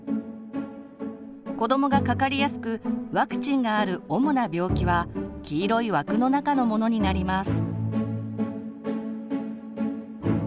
子どもがかかりやすくワクチンがある主な病気は黄色い枠の中のものになります。